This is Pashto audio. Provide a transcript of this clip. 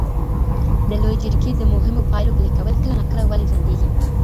د لویې جرګي د مهمو پایلو پلي کول کله ناکله ولي ځنډیږي؟